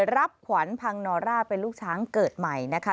รับขวัญพังนอร่าเป็นลูกช้างเกิดใหม่นะคะ